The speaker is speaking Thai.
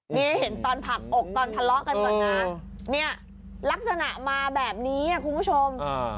มีใครเห็นตอนภักด์อกตอนทะเลาะกันไหมละนี่ลักษณะมาแบบนี้คุณผู้ชม